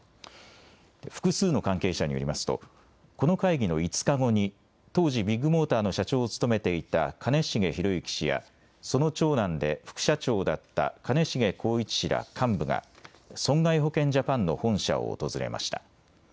複数の関係者によりますとこの会議の５日後に当時ビッグモーターの社長を務めていた兼茂宏行氏やその長男で副社長だった兼重宏一氏ら幹部が損害保険ジャパンの本社を訪れました。